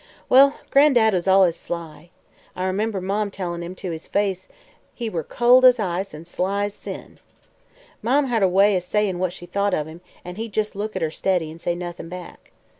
"Well, Gran'dad was allus sly. I 'member Marm tellin' him to his face he were cold as ice an' sly as sin. Mann had a way o' sayin' what she thought o' him, an' he'd jes' look at her steady an' say nuth'n back.